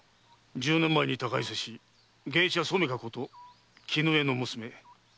十年前に他界せし芸者・染香こと絹江の娘美和と申す。